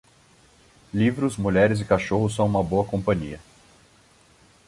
Livros, mulheres e cachorros são uma boa companhia.